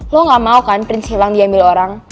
lo gak mau kan prince hilang diambil orang